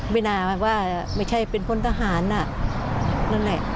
ไม่น่าว่าไม่ใช่เป็นคนทหารนั่นแหละ